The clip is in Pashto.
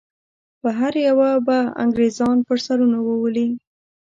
په هره یوه به انګریزان پر سرونو وولي.